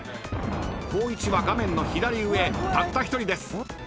［光一は画面の左上たった一人です］